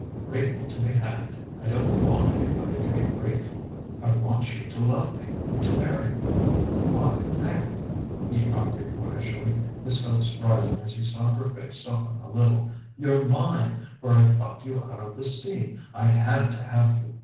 "Grateful be hanged! I don't want anybody to be grateful. I want you to love me to marry me. Why, Agatha," he argued boyishly, his hopes rising as he saw her face soften a little, "you're mine, for I plucked you out of the sea. I had to have you.